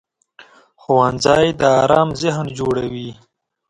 ښوونځی د ارام ذهن جوړوي